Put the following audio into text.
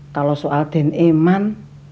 kalau soal den eman